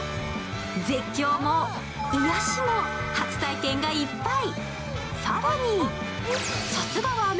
絶叫も癒やしも初体験がいっぱい。